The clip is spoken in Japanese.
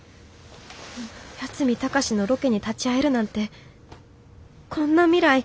八海崇のロケに立ち会えるなんてこんな未来